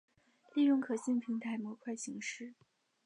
利用可信平台模块形式。